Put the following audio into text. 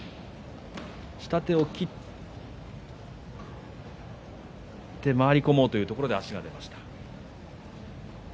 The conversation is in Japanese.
下手を切って回り込もうというところでもって足が出ました。